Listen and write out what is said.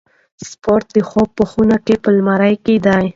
پاسپورت د خوب په خونه کې په المارۍ کې دی.